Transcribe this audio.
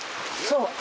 そう。